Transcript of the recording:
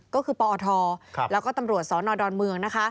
ก็คือปอธแล้วก็ตำรวจศโนรดรเมือง